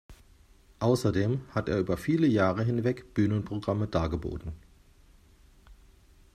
Außerdem hat er über viele Jahre hinweg Bühnenprogramme dargeboten.